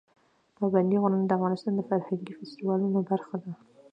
پابندی غرونه د افغانستان د فرهنګي فستیوالونو برخه ده.